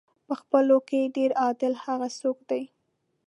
په خپلو کې ډېر عادل هغه څوک دی.